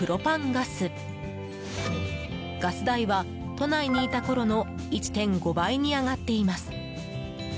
ガス代は都内にいたころの１．５倍に上がっています。